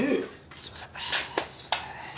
すいません